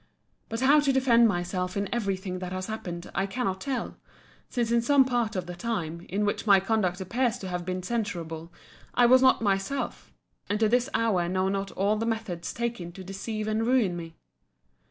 But how to defend myself in every thing that has happened, I cannot tell: since in some part of the time, in which my conduct appears to have been censurable, I was not myself; and to this hour know not all the methods taken to deceive and ruin me.